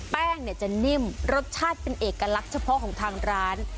แป้งเนี่ยจะนิ่มรสชาติเป็นเอกลักษณ์เฉพาะของทางร้าน